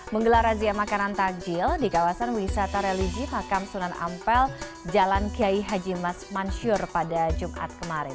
menggelar razia makanan takjil di kawasan wisata religi pakam sunan ampel jalan kiai haji mas mansyur pada jumat kemarin